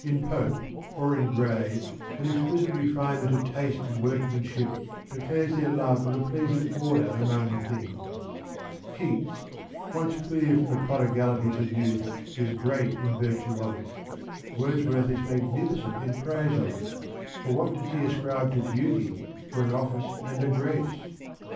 In Pope or in Gray, an exquisite refine ment of taste and workmanship declares their love of a pleasing order among things : Keats, once clear from the prodigalities of youth, is great in virtue of it : Wordsworth is magnificent in praise of it, for what does he ascribe to Duty, for an office and a grace?